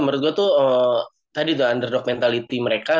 menurut gue itu tadi itu underdog mentality mereka